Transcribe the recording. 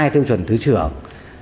chín trăm hai mươi tiêu chuẩn thứ trưởng